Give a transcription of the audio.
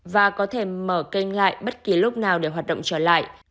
và có thể mở kênh lại bất kỳ lúc nào để hoạt động trở lại